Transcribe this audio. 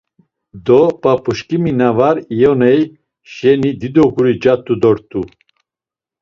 Do p̌ap̌uşǩimi na var iyoney şeni dido guri cat̆u dort̆u.